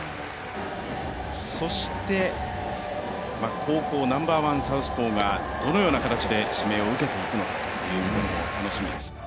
そして、高校ナンバーワンサウスポーがどのような形で指名を受けていくのか、楽しみです。